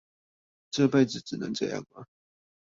這輩子只能這樣嗎？